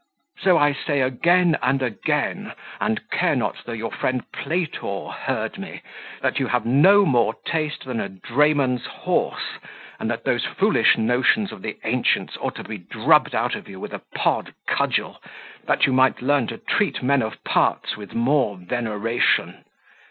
So I say again and again, and I care not though your friend Playtor heard me, that you have no more taste than a drayman's horse, and that those foolish notions of the ancients ought to be drubbed out of you with a good cudgel, that you might learn to treat men of parts with more veneration.